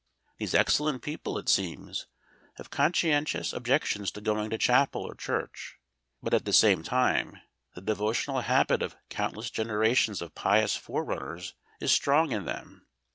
These excellent people, it seems, have conscientious objections to going to chapel or church, but at the same time the devotional habit of countless generations of pious forerunners is strong in them.